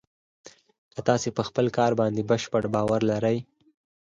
که تاسې په خپل کار باندې بشپړ باور لرئ